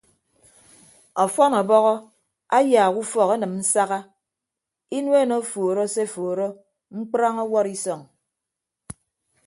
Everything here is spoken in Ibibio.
Ọfọn ọbọhọ ayaak ufọk enịm nsaha inuen ofuuro se ofuuro mkprañ ọwọd isọñ.